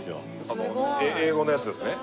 Ａ５のやつですね？